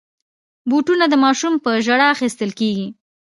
بوټونه د ماشومانو په ژړا اخیستل کېږي.